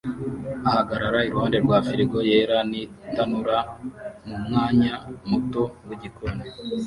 ahagarara iruhande rwa frigo yera nitanura mumwanya muto wigikoni